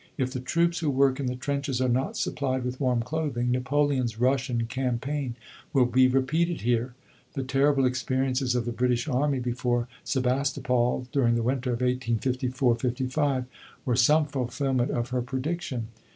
If the troops who work in the trenches are not supplied with warm clothing, Napoleon's Russian campaign will be repeated here." The terrible experiences of the British army before Sebastopol during the winter of 1854 55 were some fulfilment of her prediction.